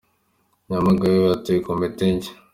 Nyamagabe batoye Komite nshya